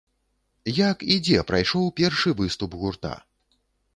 Як і дзе прайшоў першы выступ гурта?